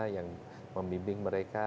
yang membimbing mereka